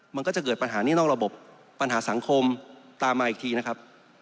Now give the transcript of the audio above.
มันก็จะเกิดปัญหานี่นอกระบบปัญหาสังคมตามมาอีกทีนะครับ